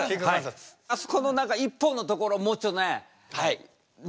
あそこの何か「一本」のところもうちょっとねね。